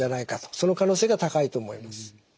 その可能性が高いと思います。